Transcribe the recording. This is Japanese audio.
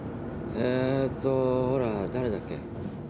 えとほら誰だっけ。